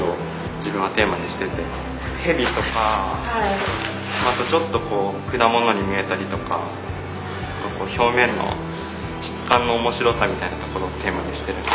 ヘビとかあとちょっとこう果物に見えたりとか何かこう表面の質感の面白さみたいなところをテーマにしてるんで。